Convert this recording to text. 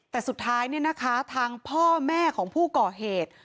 แต่สุดท้ายเนี่ยนะคะทางพ่อแม่ของผู้ก่อเหตุ